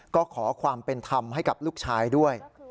ก็ขอความเป็นธรรมให้กับลูกชายด้วย